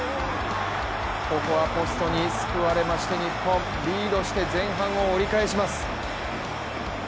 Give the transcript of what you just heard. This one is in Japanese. ここはポストに救われました日本リードして前半を折り返します。